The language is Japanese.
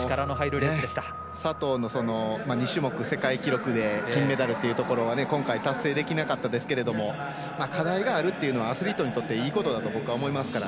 佐藤の２種目世界記録で金メダルっていうところは今回、達成できなかったですが課題があるというのはアスリートにとっていいことだと僕は思いますから。